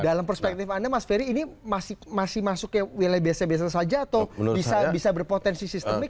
dalam perspektif anda mas ferry ini masih masuk ke wilayah biasa biasa saja atau bisa berpotensi sistemik